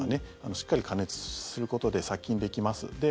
しっかり加熱することで殺菌できます。